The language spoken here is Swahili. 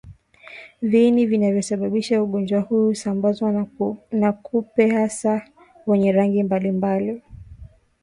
Viini vinavyosababisha ugonjwa huu husambazwa na kupe hasa wenye rangi mbalimbali